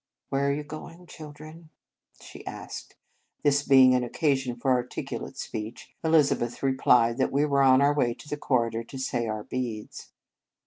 " Where are you going, children ?" she asked. This being an occasion for articu late speech, Elizabeth replied that we were on our way to the corridor to say our beads.